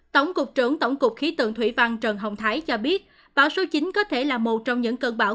tổng cục trưởng tổng cục khí tượng thủy văn trần hồng thái cho biết bão số chín có thể là một trong những cơn bão